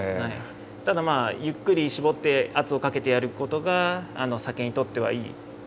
ただゆっくり搾って圧をかけてやることが酒にとってはいいとされてるので。